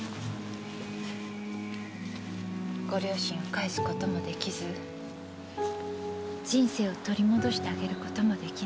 ご両親を返す事も出来ず人生を取り戻してあげる事も出来ない。